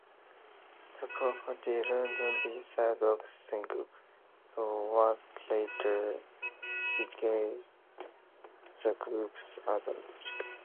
The profanity-laden B-side of the single, "So What" later became the group's anthem.